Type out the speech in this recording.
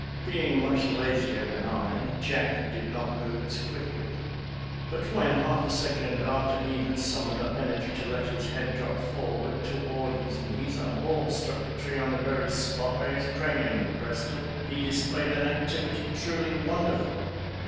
Being much lazier than I, Jack did not move as quickly. But when, half a second after he had summoned up energy to let his head drop forward toward his knees, a ball struck the tree on the very spot BATTLE OF SECOND MANASSAS 67 where his cranium had rested, he displayed an activity truly wonderful!